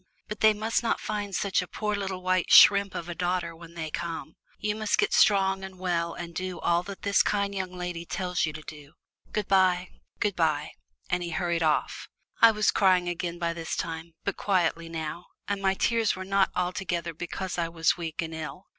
But they must not find such a poor little white shrimp of a daughter when they come. You must get strong and well and do all that this kind young lady tells you to do. Good bye good bye," and he hurried off. I was crying again by this time, but quietly now, and my tears were not altogether because I was weak and ill.